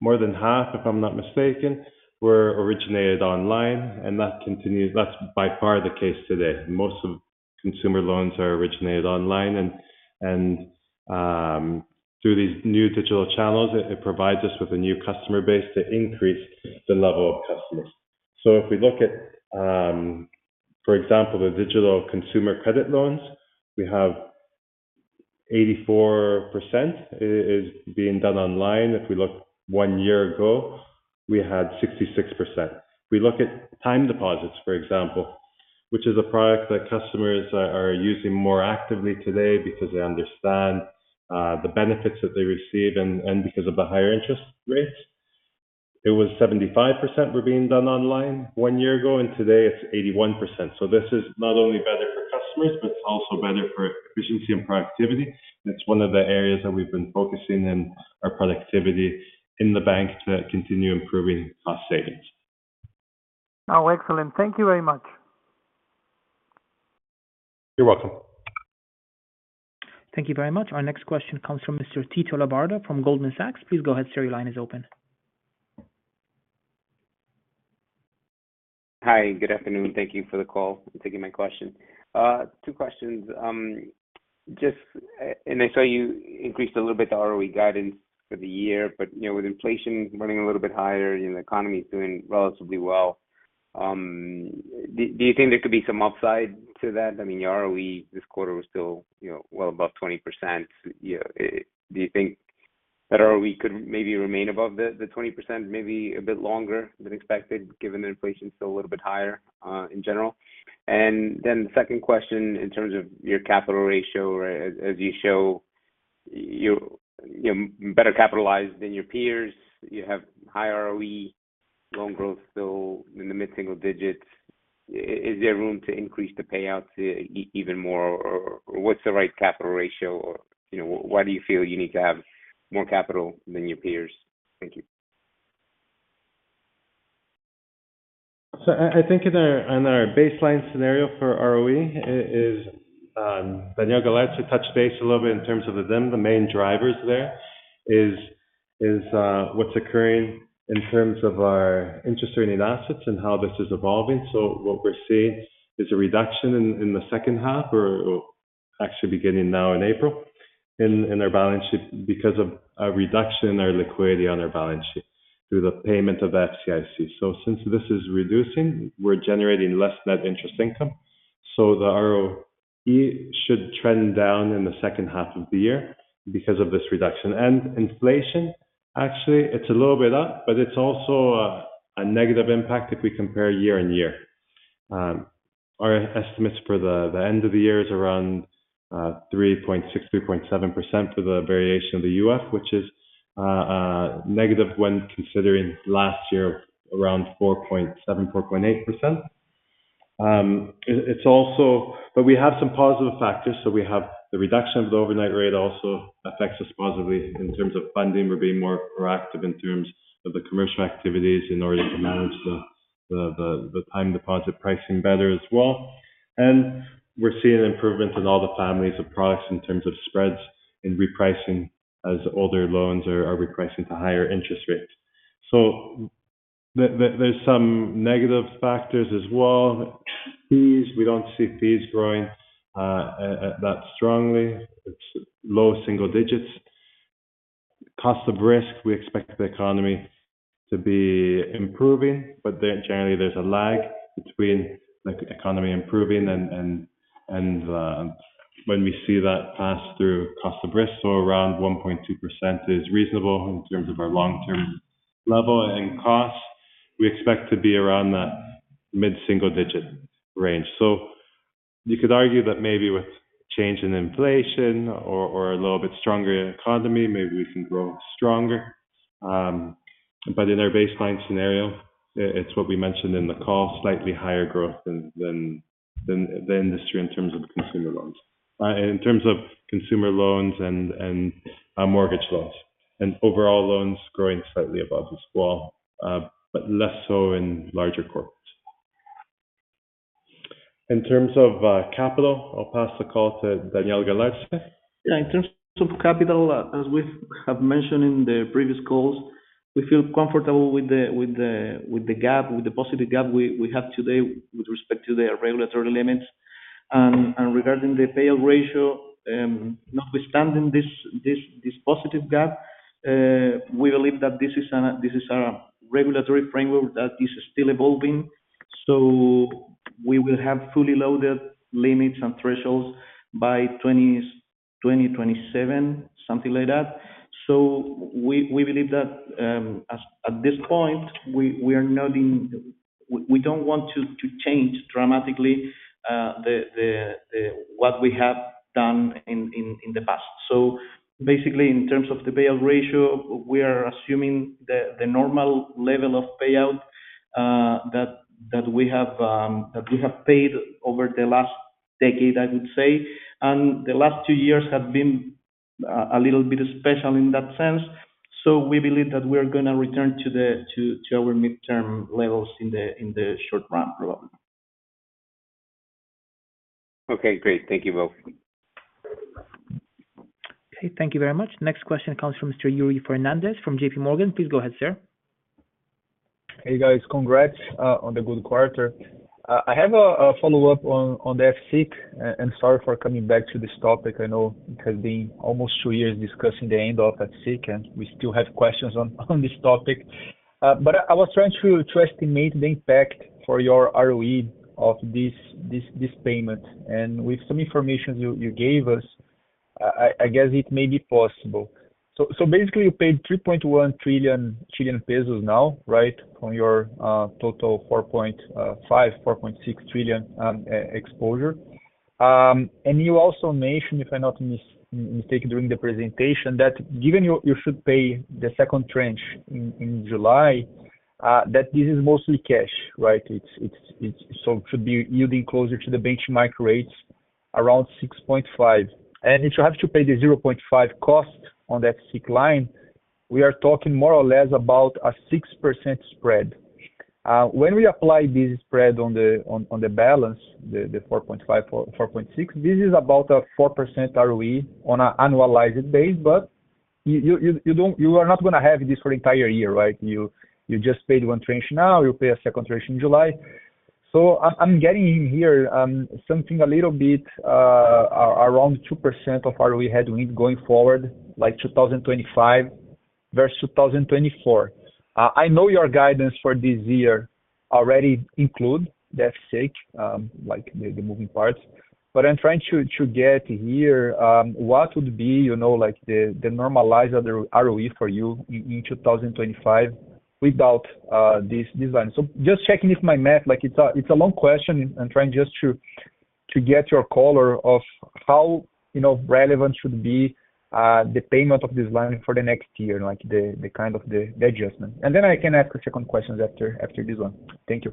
more than half, if I'm not mistaken, were originated online, and that continues... That's by far the case today. Most of consumer loans are originated online and through these new digital channels, it provides us with a new customer base to increase the level of customers. So if we look at, for example, the digital consumer credit loans, we have 84% is being done online. If we look one year ago, we had 66%. If we look at time deposits, for example, which is a product that customers are using more actively today because they understand the benefits that they receive and because of the higher interest rates, it was 75% were being done online one year ago, and today it's 81%. So this is not only better for customers, but it's also better for efficiency and productivity. And it's one of the areas that we've been focusing in our productivity in the bank to continue improving cost savings. Oh, excellent. Thank you very much. You're welcome. Thank you very much. Our next question comes from Mr. Tito Labarta from Goldman Sachs. Please go ahead, sir. Your line is open. Hi, good afternoon. Thank you for the call and taking my question. Two questions. And I saw you increased a little bit the ROE guidance for the year, but, you know, with inflation running a little bit higher, you know, the economy is doing relatively well, do you think there could be some upside to that? I mean, your ROE this quarter was still, you know, well above 20%. You know, do you think that ROE could maybe remain above the 20%, maybe a bit longer than expected, given that inflation is still a little bit higher in general? And then the second question, in terms of your capital ratio, as you show, you're better capitalized than your peers, you have high ROE, loan growth still in the mid-single digits. Is there room to increase the payouts even more, or, or what's the right capital ratio or, you know, why do you feel you need to have more capital than your peers? Thank you. So I think in our on our baseline scenario for ROE is Daniel Galarce touched base a little bit in terms of the the main drivers there is what's occurring in terms of our interest earning assets and how this is evolving. So what we're seeing is a reduction in the second half or actually beginning now in April in our balance sheet because of a reduction in our liquidity on our balance sheet through the payment of FCIC. So since this is reducing, we're generating less net interest income, so the ROE should trend down in the second half of the year because of this reduction. And inflation, actually, it's a little bit up, but it's also a negative impact if we compare year-on-year. Our estimates for the end of the year is around 3.6%-3.7% for the variation of the UF, which is negative when considering last year, around 4.7%-4.8%. It's also but we have some positive factors, so we have the reduction of the overnight rate also affects us positively in terms of funding. We're being more proactive in terms of the commercial activities in order to manage the time deposit pricing better as well. And we're seeing improvements in all the families of products in terms of spreads and repricing, as older loans are repricing to higher interest rates. So there's some negative factors as well. Fees, we don't see fees growing that strongly. It's low single digits. Cost of risk, we expect the economy to be improving, but then generally there's a lag between the economy improving and when we see that pass through cost of risk. So around 1.2% is reasonable in terms of our long-term level. And costs, we expect to be around that mid-single digit range. So you could argue that maybe with change in inflation or a little bit stronger economy, maybe we can grow stronger. But in our baseline scenario, it's what we mentioned in the call, slightly higher growth than the industry in terms of consumer loans. In terms of consumer loans and mortgage loans, and overall loans growing slightly above as well, but less so in larger corporates. In terms of capital, I'll pass the call to Daniel Galarce. Yeah, in terms of capital, as we have mentioned in the previous calls, we feel comfortable with the positive gap we have today with respect to the regulatory limits. And regarding the payout ratio, notwithstanding this positive gap, we believe that this is a regulatory framework that is still evolving. So we will have fully loaded limits and thresholds by 2020s, 2027, something like that. So we believe that, as at this point, we are not in—we don't want to change dramatically what we have done in the past. So basically, in terms of the payout ratio, we are assuming the normal level of payout that we have paid over the last decade, I would say. And the last two years have been a little bit special in that sense. So we believe that we are gonna return to our midterm levels in the short run, probably. Okay, great. Thank you both. Okay, thank you very much. Next question comes from Mr. Yuri Fernandes from J.P. Morgan. Please go ahead, sir. Hey, guys. Congrats on the good quarter. I have a follow-up on the FCIC, and sorry for coming back to this topic. I know it has been almost two years discussing the end of FCIC, and we still have questions on this topic. But I was trying to estimate the impact for your ROE of this payment. And with some information you gave us, I guess it may be possible. So basically, you paid 3.1 trillion now, right? On your total 4.6 trillion exposure. And you also mentioned, if I'm not mistaken during the presentation, that given you should pay the second tranche in July, that this is mostly cash, right? It's so it should be yielding closer to the benchmark rates, around 6.5. And if you have to pay the 0.5 cost on that FCIC line, we are talking more or less about a 6% spread. When we apply this spread on the balance, the 4.5, 4.6, this is about a 4% ROE on an annualized base. But you don't, you are not gonna have this for the entire year, right? You just paid one tranche now, you'll pay a second tranche in July. So I'm getting in here something a little bit around 2% of ROE headwind going forward, like 2025 versus 2024. I know your guidance for this year already include the FCIC, like the, the moving parts, but I'm trying to, to get here, what would be, you know, like, the, the normalized other ROE for you in 2025 without, this, this line? So just checking if my math—like, it's a, it's a long question, I'm trying just to, to get your color of how, you know, relevant should it be, the payment of this line for the next year, like, the, the kind of the, the adjustment. And then I can ask a second questions after, after this one. Thank you.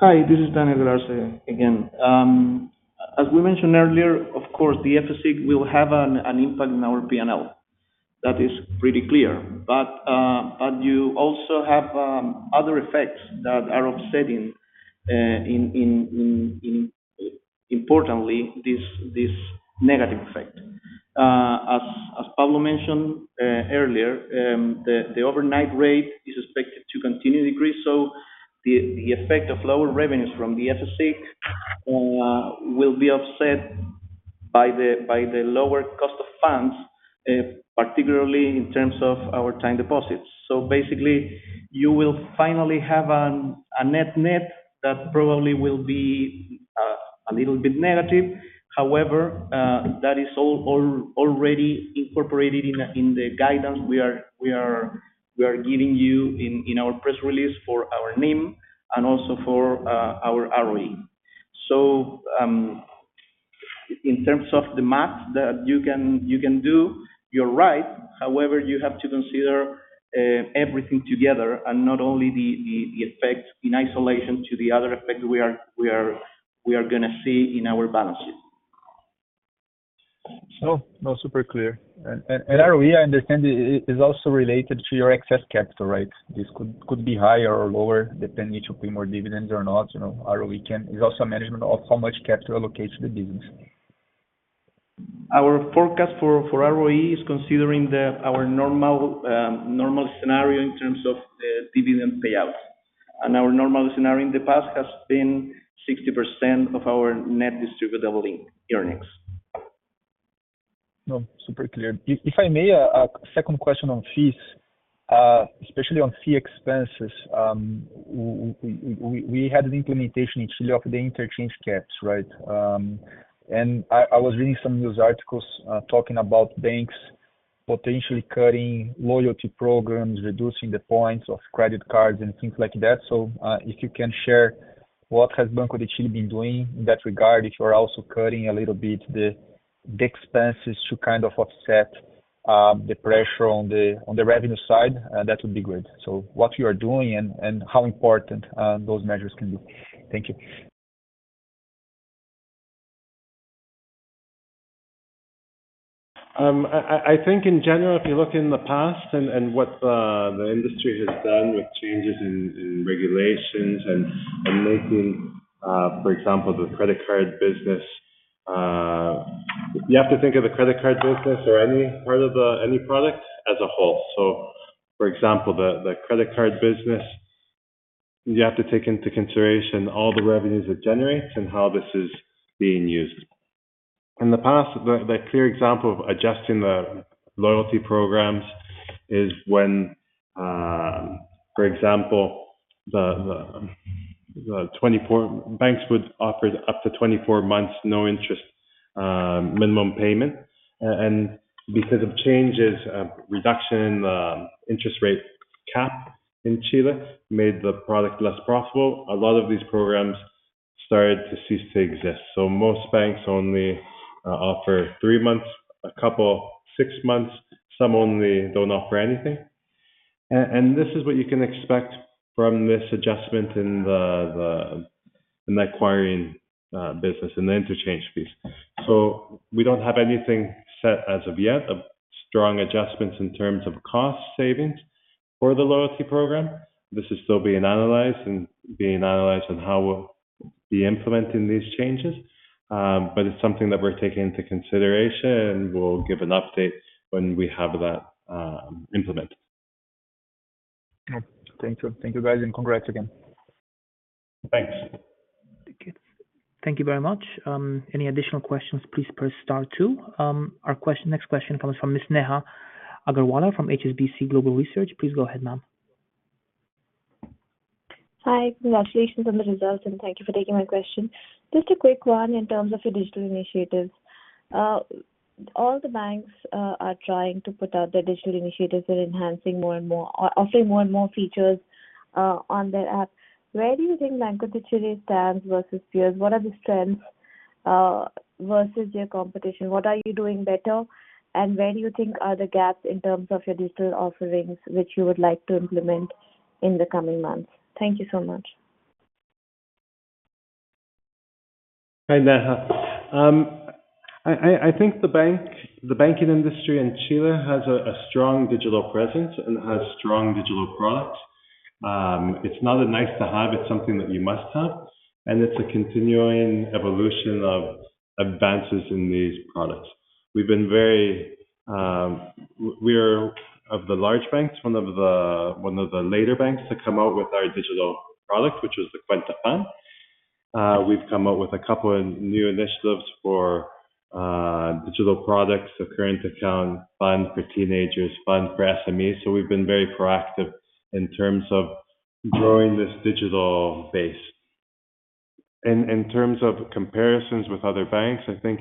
Hi, this is Daniel Galarce again. As we mentioned earlier, of course, the FCIC will have an impact in our P&L. That is pretty clear. But you also have other effects that are offsetting, importantly, this negative effect. As Pablo mentioned earlier, the overnight rate is expected to continue to decrease, so the effect of lower revenues from the FCIC will be offset by the lower cost of funds, particularly in terms of our time deposits. So basically, you will finally have a net-net that probably will be a little bit negative. However, that is already incorporated in the guidance we are giving you in our press release for our NIM and also for our ROE. So-... In terms of the math that you can, you can do, you're right. However, you have to consider everything together and not only the effect in isolation to the other effect we are gonna see in our balance sheet. No, no, super clear. ROE, I understand, is also related to your excess capital, right? This could be higher or lower, depending if you pay more dividends or not, you know. ROE is also management of how much capital allocates the business. Our forecast for ROE is considering our normal scenario in terms of the dividend payouts. Our normal scenario in the past has been 60% of our net distributable earnings. No, super clear. If I may, a second question on fees, especially on fee expenses. We had an implementation in Chile of the interchange caps, right? And I was reading some news articles, talking about banks potentially cutting loyalty programs, reducing the points of credit cards and things like that. So, if you can share what has Banco de Chile been doing in that regard? If you are also cutting a little bit the expenses to kind of offset the pressure on the revenue side, that would be great. So what you are doing and how important those measures can be? Thank you. I think in general, if you look in the past and what the industry has done with changes in regulations and making, for example, the credit card business, you have to think of the credit card business or any part of any product as a whole. So for example, the credit card business, you have to take into consideration all the revenues it generates and how this is being used. In the past, the clear example of adjusting the loyalty programs is when, for example, the 24 banks would offer up to 24 months, no interest, minimum payment. And because of changes of reduction, the interest rate cap in Chile made the product less profitable. A lot of these programs started to cease to exist, so most banks only offer three months, a couple, six months. Some only don't offer anything. And this is what you can expect from this adjustment in the acquiring business and the interchange fees. So we don't have anything set as of yet, of strong adjustments in terms of cost savings for the loyalty program. This is still being analyzed and being analyzed on how we'll be implementing these changes. But it's something that we're taking into consideration, and we'll give an update when we have that, implemented. Okay. Thank you. Thank you, guys, and congrats again. Thanks. Thank you. Thank you very much. Any additional questions, please press star two. Our next question comes from Miss Neha Agarwala from HSBC Global Research. Please go ahead, ma'am. Hi. Congratulations on the results, and thank you for taking my question. Just a quick one in terms of your digital initiatives. All the banks are trying to put out their digital initiatives and enhancing more and more, offer more and more features on their app. Where do you think Banco de Chile stands versus peers? What are the strengths versus your competition? What are you doing better, and where do you think are the gaps in terms of your digital offerings, which you would like to implement in the coming months? Thank you so much. Hi, Neha. I think the bank, the banking industry in Chile has a strong digital presence and has strong digital products. It's not a nice to have, it's something that you must have, and it's a continuing evolution of advances in these products. We've been very. We are, of the large banks, one of the later banks to come out with our digital product, which was the Cuenta FAN. We've come up with a couple of new initiatives for digital products, a current account, FAN for teenagers, FAN for SMEs. So we've been very proactive in terms of growing this digital base. And in terms of comparisons with other banks, I think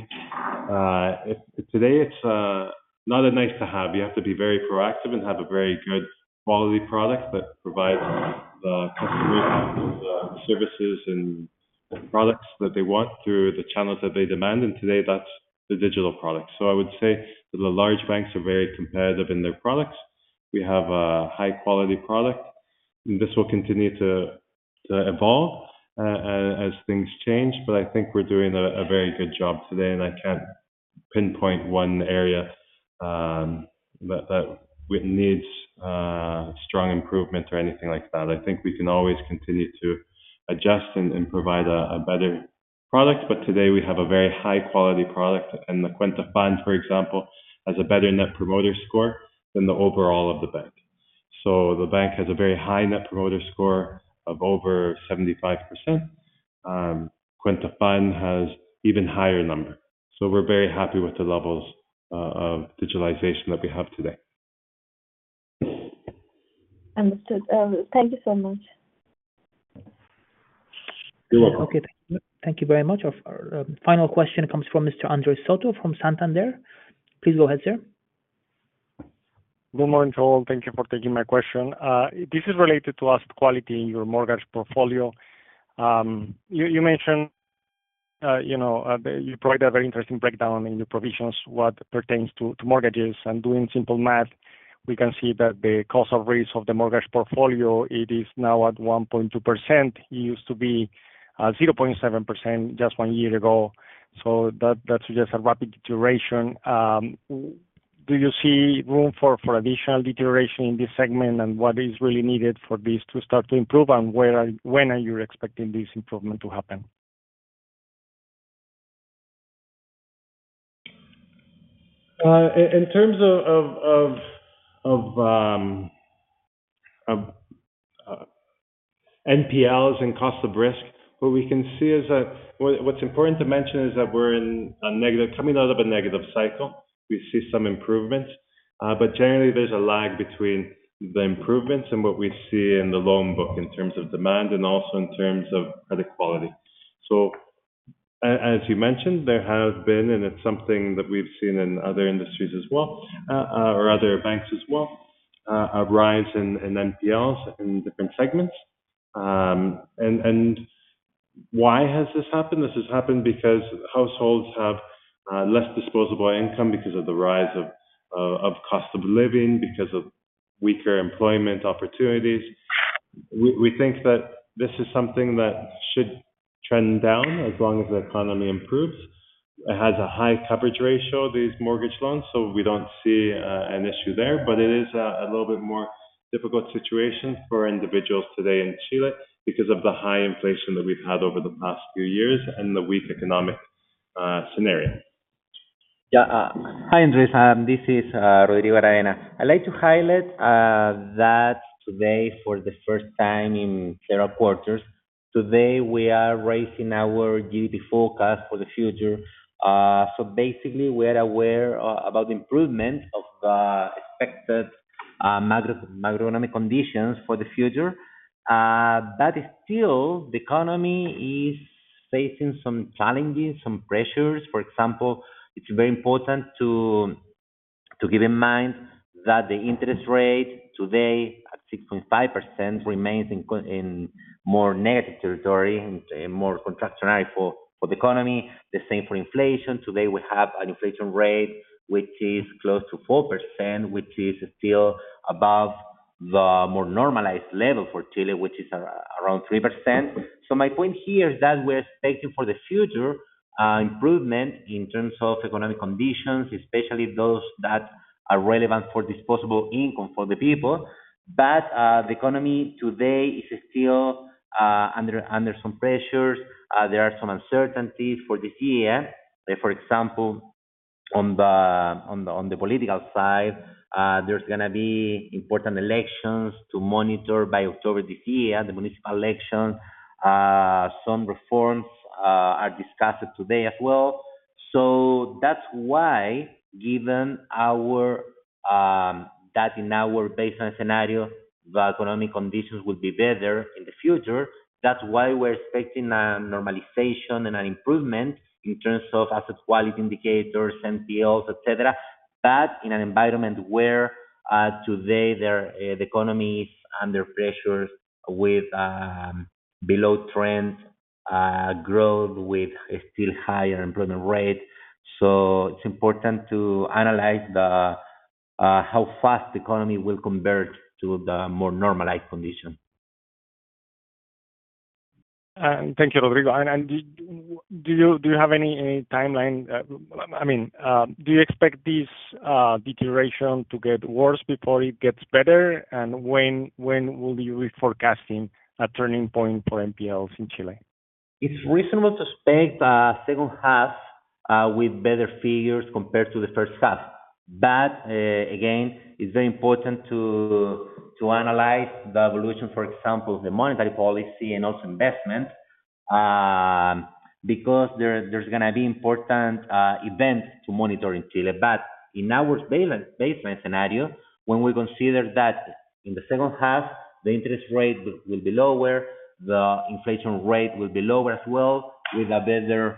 it today it's not a nice to have. You have to be very proactive and have a very good quality product that provides the customer services and products that they want through the channels that they demand. And today, that's the digital product. So I would say that the large banks are very competitive in their products. We have a high quality product, and this will continue to evolve as things change. But I think we're doing a very good job today, and I can't pinpoint one area that we needs strong improvement or anything like that. I think we can always continue to adjust and provide a better product. But today we have a very high quality product, and the Cuenta FAN, for example, has a better Net Promoter Score than the overall of the bank. So the bank has a very high Net Promoter Score of over 75%. Cuenta FAN has even higher number. So we're very happy with the levels of digitalization that we have today. Understood. Thank you so much. You're welcome. Okay. Thank you very much. Our final question comes from Mr. Andrés Soto from Santander. Please go ahead, sir.... Good morning to all. Thank you for taking my question. This is related to asset quality in your mortgage portfolio. You, you mentioned, you know, you provided a very interesting breakdown in your provisions, what pertains to, to mortgages, and doing simple math, we can see that the cost of risk of the mortgage portfolio, it is now at 1.2%. It used to be zero point seven percent just one year ago, so that, that suggests a rapid deterioration. Do you see room for, for additional deterioration in this segment? And what is really needed for this to start to improve, and when are you expecting this improvement to happen? In terms of NPLs and cost of risk, what we can see is that. What's important to mention is that we're coming out of a negative cycle. We see some improvements, but generally there's a lag between the improvements and what we see in the loan book in terms of demand and also in terms of credit quality. So as you mentioned, there have been, and it's something that we've seen in other industries as well, or other banks as well, a rise in NPLs in different segments. And why has this happened? This has happened because households have less disposable income because of the rise of cost of living, because of weaker employment opportunities. We think that this is something that should trend down as long as the economy improves. It has a high coverage ratio, these mortgage loans, so we don't see an issue there, but it is a little bit more difficult situation for individuals today in Chile because of the high inflation that we've had over the past few years and the weak economic scenario. Yeah. Hi, Andrés. This is Rodrigo Aravena. I'd like to highlight that today, for the first time in several quarters, today we are raising our GDP forecast for the future. So basically, we are aware about the improvement of the expected macroeconomic conditions for the future. But still, the economy is facing some challenges, some pressures. For example, it's very important to keep in mind that the interest rate today, at 6.5%, remains in more negative territory and more contractionary for the economy. The same for inflation. Today, we have an inflation rate which is close to 4%, which is still above the more normalized level for Chile, which is around 3%. So my point here is that we're expecting for the future, improvement in terms of economic conditions, especially those that are relevant for disposable income for the people, but the economy today is still under some pressures. There are some uncertainties for this year. For example, on the political side, there's gonna be important elections to monitor by October this year, the municipal election. Some reforms are discussed today as well. So that's why, given our that in our baseline scenario, the economic conditions will be better in the future. That's why we're expecting a normalization and an improvement in terms of asset quality indicators, NPLs, et cetera. But in an environment where today the economy is under pressures with below trend growth with a still higher employment rate. It's important to analyze how fast the economy will convert to the more normalized condition. Thank you, Rodrigo. And do you have any timeline? I mean, do you expect this deterioration to get worse before it gets better? And when will you be forecasting a turning point for NPLs in Chile? It's reasonable to expect a second half with better figures compared to the first half. But again, it's very important to analyze the evolution, for example, the monetary policy and also investment, because there's gonna be important events to monitor in Chile. But in our baseline scenario, when we consider that in the second half, the interest rate will be lower, the inflation rate will be lower as well, with a better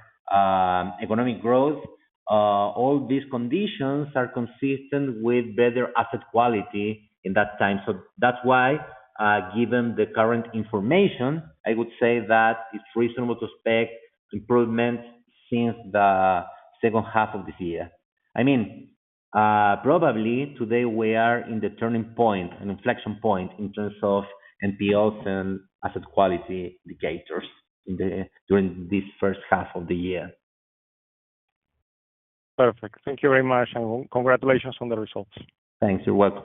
economic growth. All these conditions are consistent with better asset quality in that time. So that's why, given the current information, I would say that it's reasonable to expect improvements since the second half of this year. I mean, probably today we are in the turning point, an inflection point in terms of NPLs and asset quality indicators during this first half of the year. Perfect. Thank you very much, and congratulations on the results. Thanks. You're welcome.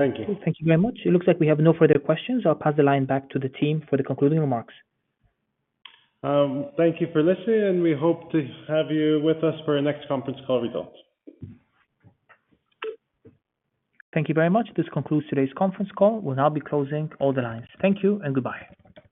Thank you. Thank you very much. It looks like we have no further questions. I'll pass the line back to the team for the concluding remarks. Thank you for listening, and we hope to have you with us for our next conference call results. Thank you very much. This concludes today's conference call. We'll now be closing all the lines. Thank you and goodbye.